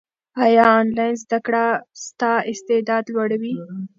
ایا انلاین زده کړه ستا استعداد لوړوي؟